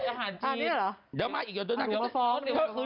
ลีน่าจังลีน่าจังลีน่าจังลีน่าจังลีน่าจังลีน่าจัง